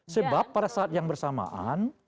sebab pada saat yang bersamaan